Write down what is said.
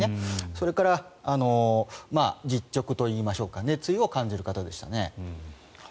それから、実直といいましょうか熱意を感じる方でしたね。